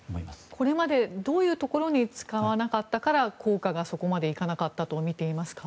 これまでどういうところに使わなかったから効果がそこまで行かなかったとみていますか。